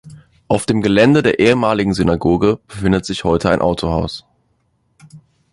Auf dem Gelände der ehemaligen Synagoge befindet sich heute ein Autohaus.